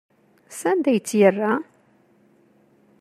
Sanda ay tt-yerra?